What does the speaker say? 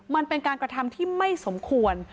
มันเป็นการกระทำที่ไม่สมควร